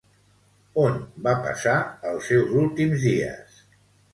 On va passar els seus últims dies?